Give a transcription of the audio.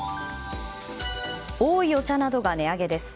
おいお茶などが値上げです。